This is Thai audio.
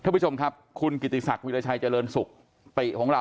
ทุกผู้ชมครับคุณกิติศักดิ์วิรชัยเจริญสุขปิ๊ะของเรา